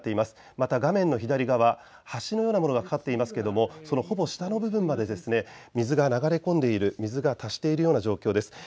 また画面の左側、橋のようなものが架かっていますけれどもそのほぼ下の部分まで水が流れ込んでいる、水が達しているような状況です。